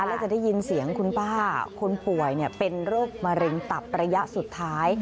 และจะได้ยินเสียงคุณป้าคนป่วยเป็นโรคมะเร็งตับระยะสุดท้าย